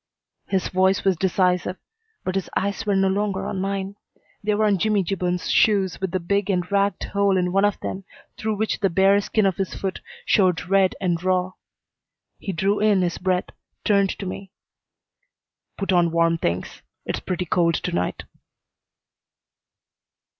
His voice was decisive; but his eyes were no longer on mine. They were on Jimmy Gibbons's shoes with the big and ragged hole in one of them through which the bare skin of his foot showed red and raw. He drew in his breath; turned to me. "Put on warm things. It's pretty cold to night."